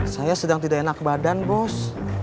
saya sedang tidak enak badan bos